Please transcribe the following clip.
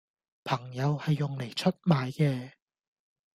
朋友係用黎出賣既